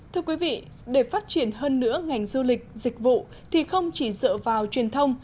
thưa quý vị để phát triển hơn nữa ngành du lịch dịch vụ thì không chỉ dựa vào truyền thông